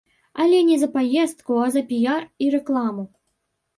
Але не за паездку, а за піяр і рэкламу.